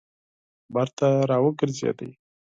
بېرته راوګرځېده.